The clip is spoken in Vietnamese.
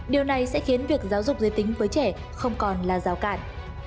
điều này sẽ khiến việc giáo dục giới tính với trẻ không còn là rào cản